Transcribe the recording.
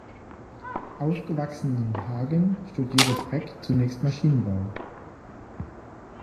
Aufgewachsen in Hagen, studierte Breck zunächst Maschinenbau.